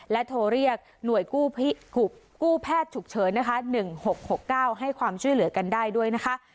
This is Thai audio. และโทรเรียกหน่วยกู้กู้แพทย์ฉุกเฉินนะคะหนึ่งหกหกเก้าให้ความช่วยเหลือกันได้ด้วยนะคะ